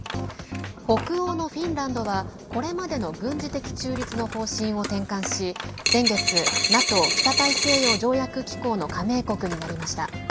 北欧のフィンランドはこれまでの軍事的中立の方針を転換し先月ＮＡＴＯ＝北大西洋条約機構の加盟国になりました。